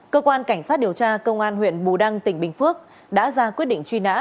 cơ quan cảnh sát điều tra công an huyện bù đăng tỉnh bình phước đã ra quyết định truy nã